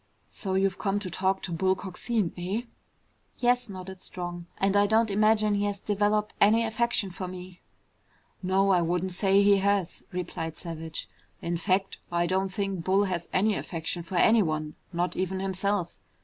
"So you've come to talk to Bull Coxine, eh?" "Yes," nodded Strong. "And I don't imagine he has developed any affection for me." "No, I wouldn't say he has," replied Savage. "In fact, I don't think Bull has any affection for anyone, not even himself.